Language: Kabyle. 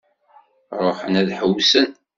Ruḥen ad ḥewwsen.